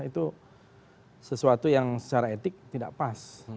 itu sesuatu yang secara etik tidak pas